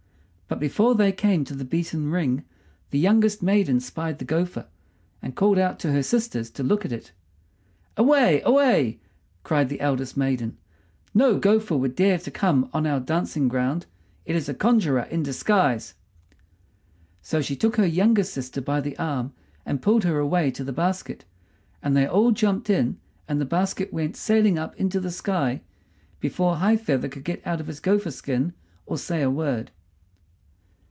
But before they came to the beaten ring the youngest maiden spied the gopher, and called out to her sisters to look at it. "Away! away!" cried the eldest maiden. "No gopher would dare to come on our dancing ground. It is a conjuror in disguise!" So she took her youngest sister by the arm and pulled her away to the basket, and they all jumped in and the basket went sailing up into the sky before High feather could get out of his gopher skin or say a word.